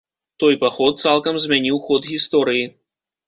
Той паход цалкам змяніў ход гісторыі.